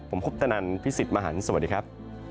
ผมคุปตนันพี่สิทธิ์มหันฯสวัสดีครับ